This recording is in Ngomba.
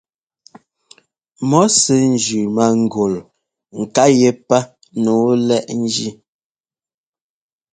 Mɔ́ sɛ́ njʉ mángul nká yɛ́pá nǔu lɛ́ʼ njí.